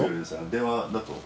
電話だと。